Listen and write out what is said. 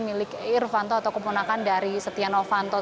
dan milik irvanto atau keponakan dari setia novanto